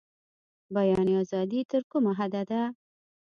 بیان ازادي تر کومه حده ده؟